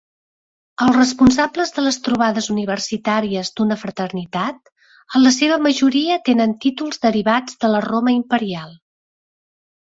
Els responsables de les trobades universitàries d'una fraternitat, en la seva majoria tenen títols derivats de la Roma imperial.